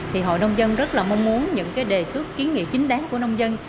thì hội nông dân rất là mong muốn những cái đề xuất kiến nghị chính đáng của nông dân